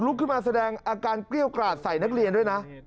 ขึ้นมาแสดงอาการเกลี้ยวกราดใส่นักเรียนด้วยนะ